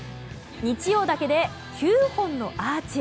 日曜だけで９本のアーチ。